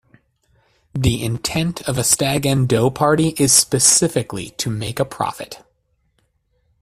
The intent of a stag and doe party is specifically to make a profit.